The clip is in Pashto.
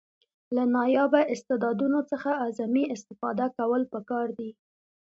له نایابه استعدادونو څخه اعظمي استفاده کول پکار دي.